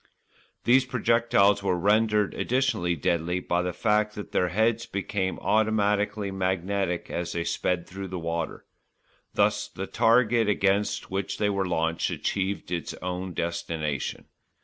These projectiles were rendered additionally deadly by the fact that their heads became automatically magnetic as they sped through the water. Thus the target against which they were launched achieved its own destination.